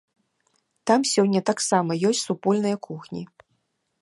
Там сёння таксама ёсць супольныя кухні.